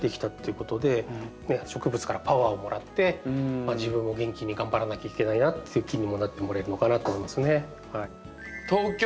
植物からパワーをもらって自分も元気に頑張らなきゃいけないなっていう気にもなってもらえるかなと思いますね。